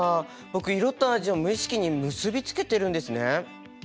僕色と味を無意識に結びつけてるんですね。